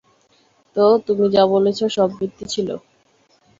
তো, তুমি যা বলেছো সব মিথ্যে ছিল?